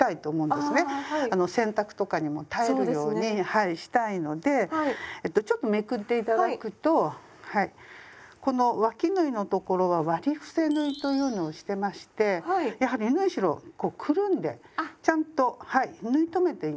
はいしたいのでちょっとめくって頂くとこのわき縫いの所は「割り伏せ縫い」というのをしてましてやはり縫い代をくるんでちゃんとはい縫い留めています。